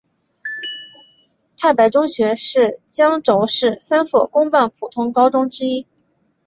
太白中学是江油市三所公办普通高中之一。